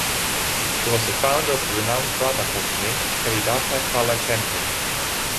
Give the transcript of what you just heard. He was the founder of the renowned drama company Kalidasa Kala Kendram.